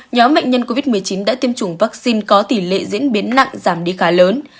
nhóm bệnh nhân covid một mươi chín đã tiêm chủng vaccine có tỷ lệ diễn biến nặng giảm đi khá lớn